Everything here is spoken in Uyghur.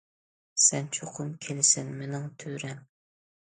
- سەن چوقۇم كېلىسەن، مېنىڭ تۆرەم.